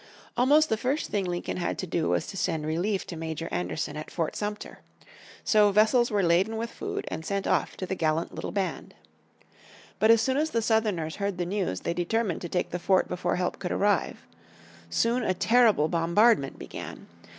Almost the first thing Lincoln had to do was to send relief to Major Anderson at Fort Sumter. So vessels were laden with food and sent off to the gallant little band. But as soon as the Southerners heard the news they determined to take the fort before help could arrive. Soon a terrible bombardment began.